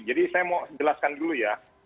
jadi saya mau jelaskan dulu ya